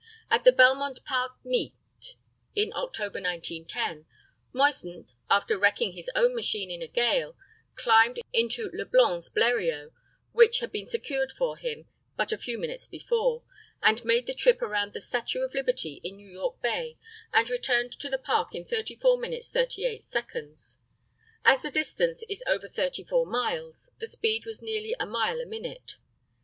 At the Belmont Park meet, in October, 1910, Moisant, after wrecking his own machine in a gale, climbed into Leblanc's Bleriot, which had been secured for him but a few minutes before, and made the trip around the Statue of Liberty in New York Bay and returned to the Park in 34 minutes 38 seconds. As the distance is over 34 miles, the speed was nearly a mile a minute.